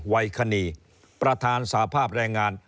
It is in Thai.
วัยคณีประธานสภาพแรงงาน